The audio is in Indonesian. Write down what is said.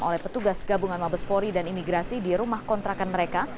oleh petugas gabungan mabespori dan imigrasi di rumah kontrakan mereka